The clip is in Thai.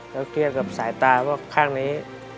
แล้วเทียบกับสายตาว่าข้างนี้